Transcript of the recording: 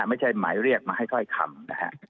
ไม่ใช่หมายเรียกมาให้ถ้อยคำนะฮะ